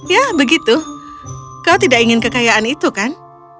ya begitu kau tidak ingin kekayaan itu kan